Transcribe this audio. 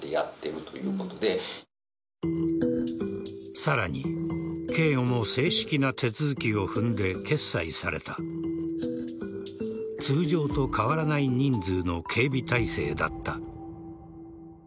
さらに、警護も正式な手続きを踏んで決裁された通常と変わらない人数の警備態勢だった。